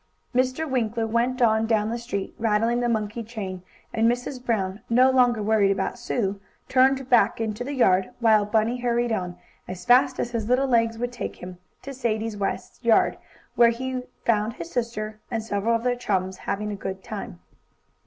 Mr. Winkler went on down the street, rattling the monkey chain, and Mrs. Brown, no longer worried about Sue, turned back into the yard, while Bunny hurried on, as fast as his little legs would take him, to Sadie West's yard, where he found his sister and several of their chums having a good time.